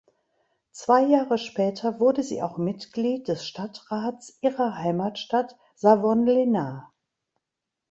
Zwei Jahre später wurde sie auch Mitglied des Stadtrats ihrer Heimatstadt Savonlinna.